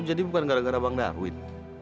oh jadi bukan gara gara bang darwin